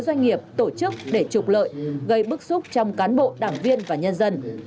doanh nghiệp tổ chức để trục lợi gây bức xúc trong cán bộ đảng viên và nhân dân